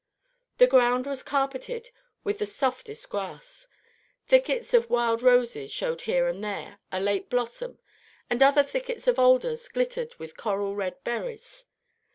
The ground was carpeted with the softest grass. Thickets of wild roses showed here and there a late blossom, and other thickets of alders glittered with coral red berries.